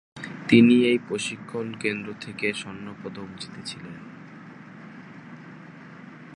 তিনি এই প্রশিক্ষণ কেন্দ্র থেকে স্বর্ণপদক জিতেছিলেন।